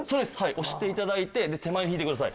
押して頂いて手前に引いてください。